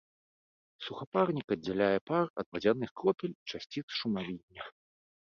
Сухапарнік аддзяляе пар ад вадзяных кропель і часціц шумавіння.